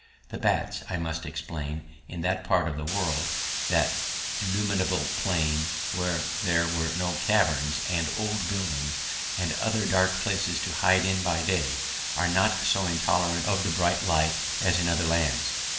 The bats, I must explain, in that part of the world, that illimitable plain where there were no caverns and old buildings and other dark places to hide in by day, are not so intolerant of the bright light as in other lands.